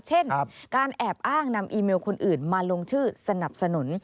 เช่นการแอบอ้างนำอีเมลคนอื่นมาลงชื่อสนับสนุน